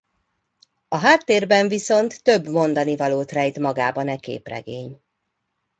A háttérben viszont több mondanivalót rejt magában e képregény.